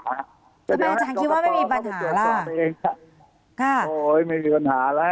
ทำไมอาจารย์คิดว่าไม่มีปัญหาล่ะค่ะโอ้ยไม่มีปัญหาล่ะ